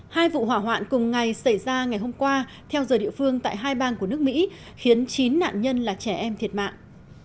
hai vụ hỏa hoạn cùng ngày xảy ra ngày hôm qua theo giờ địa phương tại hai bang của nước mỹ khiến chín nạn nhân là trẻ em thiệt mạng